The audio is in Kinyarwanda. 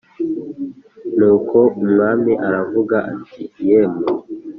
Nuko umwami aravuga ati “Yemwe